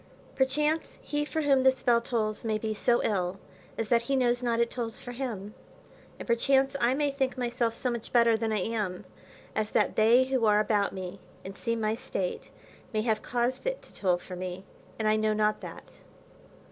Perchance he for whom this bell tolls may be so ill, as that he knows not it tolls for him; and perchance I may think myself so much better than I am, as that they who are about me, and see my state, may have caused it to toll for me, and I know not that.